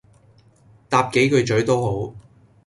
搭幾句咀都好